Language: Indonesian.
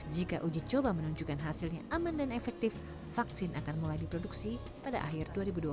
jika uji coba menunjukkan hasilnya aman dan efektif vaksin akan mulai diproduksi pada akhir dua ribu dua puluh satu